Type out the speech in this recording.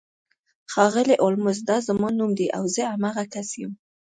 ښاغلی هولمز دا زما نوم دی او زه همغه کس یم